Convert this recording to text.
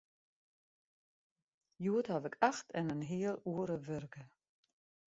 Hjoed haw ik acht en in heal oere wurke.